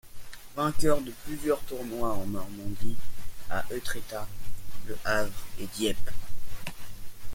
Vainqueur de plusieurs tournois en Normandie à Étretat, Le Havre et Dieppe.